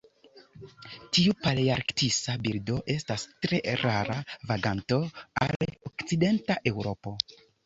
Tiu palearktisa birdo estas tre rara vaganto al okcidenta Eŭropo.